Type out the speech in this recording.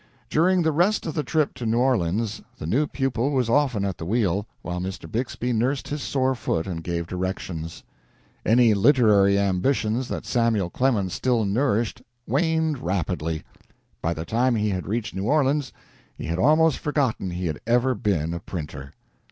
During the rest of the trip to New Orleans the new pupil was often at the wheel, while Mr. Bixby nursed his sore foot and gave directions. Any literary ambitions that Samuel Clemens still nourished waned rapidly. By the time he had reached New Orleans he had almost forgotten he had ever been a printer.